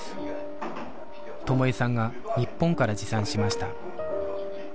友枝さんが日本から持参しました